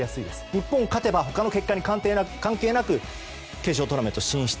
日本が勝てば他の結果に関係なく決勝トーナメント進出。